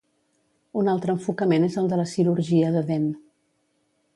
Un altre enfocament és el de la cirurgia de Dehn.